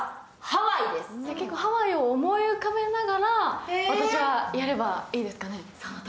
ハワイを思い浮かべながらやればいいですかね。